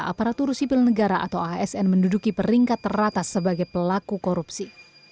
aparatur sipil negara atau asn menduduki peringkat teratas sebagai pelaku korupsi